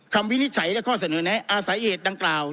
วินิจฉัยและข้อเสนอแนะอาศัยเหตุดังกล่าว